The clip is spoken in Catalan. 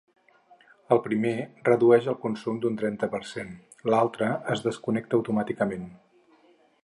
El primer redueix el consum d’un trenta per cent; l’altre es desconnecta automàticament.